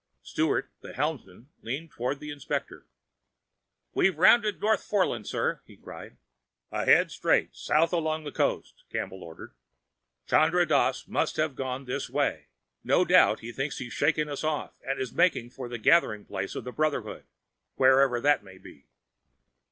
Sturt, the helmsman, leaned toward the inspector. "We've rounded North Foreland, sir," he cried. "Head straight south along the coast," Campbell ordered. "Chandra Dass must have gone this way. No doubt he thinks he's shaken us off, and is making for the gathering place of the Brotherhood, wherever that may be."